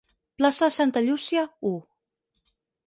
Plaça de Santa Llúcia, u.